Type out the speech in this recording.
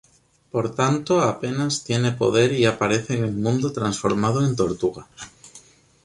Por tanto, apenas tiene poder y aparece en el mundo transformado en tortuga.